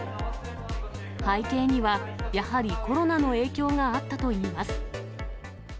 背景には、やはりコロナの影響があったといいます。